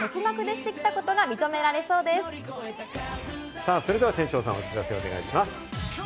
さあ、それでは天翔さん、お知らせお願いします。